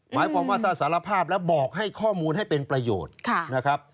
หมายความว่าถ้าสารภาพแล้วบอกให้ข้อมูลให้เป็นประโยชน์นะครับ